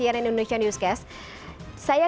yang akan dilakukan kedepannya